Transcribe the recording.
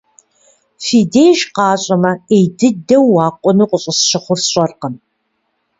Фи деж къащӏэмэ, Ӏей дыдэу уакъуну къыщӏысщыхъур сщӏэркъым.